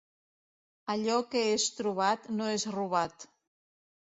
Allò que és trobat no és robat.